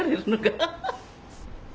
ハハハッ。